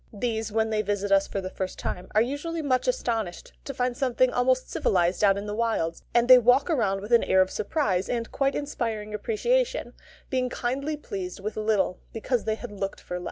These, when they visit us for the first time, are usually much astonished to find something almost civilised out in the wilds, and they walk round with an air of surprise, and quite inspiring appreciation, being kindly pleased with little, because they had looked for less.